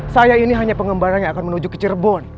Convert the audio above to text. saya ini hanya pengembara yang akan menuju ke cirebon